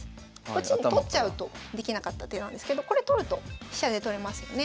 こっちに取っちゃうとできなかった手なんですけどこれ取ると飛車で取れますよね。